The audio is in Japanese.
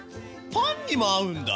パンにも合うんだ！